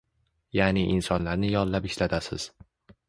Yaʼni insonlarni yollab ishlatasiz.